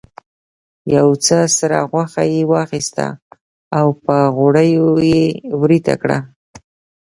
یو څه سره غوښه یې واخیسته او په غوړیو یې ویریته کړه.